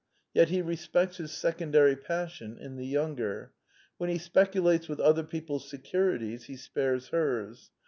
Yet he respects his secondary passion in the younger. When he speculates with other people's securities he spares hers.